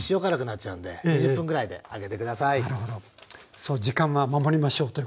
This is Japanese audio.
そう時間は守りましょうということですね。